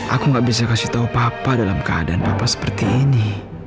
aku gak bisa kasih tahu papa dalam keadaan papa seperti ini